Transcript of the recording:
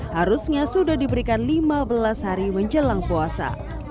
harusnya sudah diberikan lima belas hari menjelang puasa